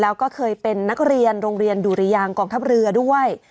แล้วก็เคยเป็นนักเรียนโรงเรียนดุริยางกองทัพเรือด้วย